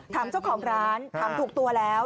ถามเจ้าของร้านถามถูกตัวแล้ว